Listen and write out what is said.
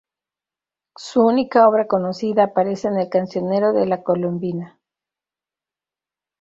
Su única obra conocida aparece en el Cancionero de la Colombina.